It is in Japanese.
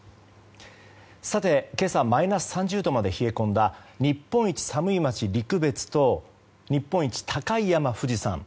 さて、今朝マイナス３０度まで冷え込んだ日本一寒い町陸別と日本一高い山、富士山。